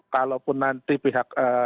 kalau pun nanti pihak